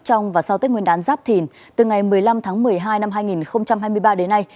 trong và sau tết nguyên đán giáp thìn từ ngày một mươi năm tháng một mươi hai năm hai nghìn hai mươi ba đến nay